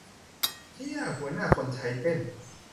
เชี้ย หัวหน้าคนใช้เต้น